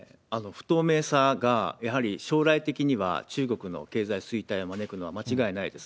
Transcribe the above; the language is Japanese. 不透明さがやはり将来的には、中国の経済衰退を招くのは間違いないです。